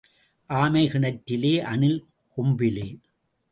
ஆமை கிணற்றிலே, அணில் கொம்பிலே.